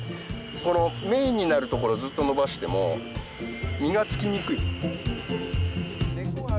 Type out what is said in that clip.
このメインになる所ずっと伸ばしても実がつきにくい。